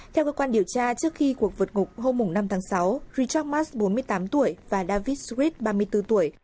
theo cơ quan điều tra trước khi cuộc vượt ngục hôm năm tháng sáu richard mas bốn mươi tám tuổi và david srit ba mươi bốn tuổi